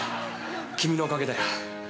君のおかげだよ。